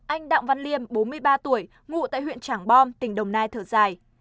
anh đặng văn liêm bốn mươi ba tuổi ngụ tại huyện trảng bom tỉnh đồng nai thở dài